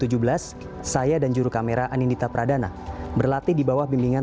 sembilan belas september dua ribu tujuh belas saya dan juru kamera anindita pradana berlatih di bawah bimbingan